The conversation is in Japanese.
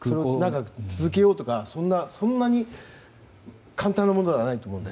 続けようとか、そんなに簡単なものではないと思うので。